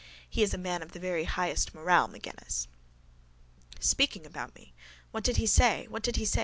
He is a man of the very highest morale, Magennis. Speaking about me. What did he say? What did he say?